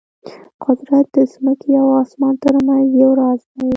قدرت د ځمکې او اسمان ترمنځ یو راز دی.